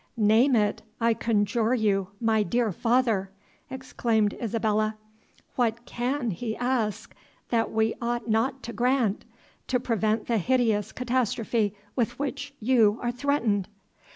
"Name it, I conjure you, my dear father!" exclaimed Isabella. "What CAN he ask that we ought not to grant, to prevent the hideous catastrophe with which you are threatened?"